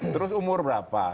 terus umur berapa